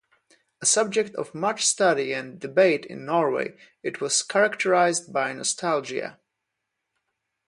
A subject of much study and debate in Norway, it was characterized by nostalgia.